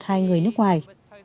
hai người nước ngoài